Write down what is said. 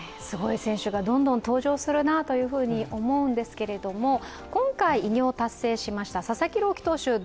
すごい選手がどんどん登場するなと思うんですけれども、今回偉業を達成しました佐々木朗希投手